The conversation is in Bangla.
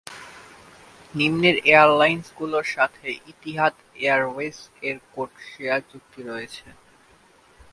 নিম্নের এয়ারলাইন্স গুলোর সাথে ইতিহাদ এয়ারওয়েজ এর কোড শেয়ার চুক্তি রয়েছে।